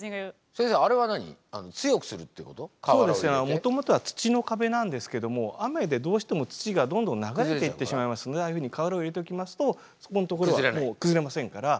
もともとは土の壁なんですけども雨でどうしても土がどんどん流れていってしまいますのでああいうふうに瓦を入れておきますとそこのところはもう崩れませんから。